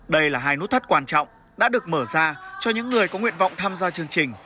đây là hai nút thắt quan trọng đã được mở ra cho những người có nguyện vọng tham gia chương trình